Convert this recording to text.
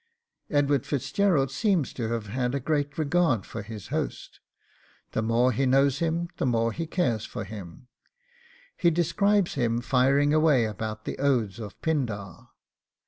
Edward Fitzgerald seems to have had a great regard for his host; the more he knows him the more he cares for him; he describes him 'firing away about the odes of Pindar.